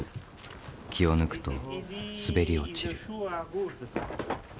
気を抜くと滑り落ちる。